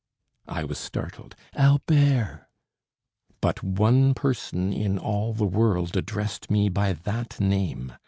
I was startled. "Albert!" But one person in all the world addressed me by that name!